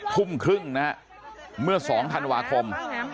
ทุ่มครึ่งนะฮะเมื่อ๒ธันวาคม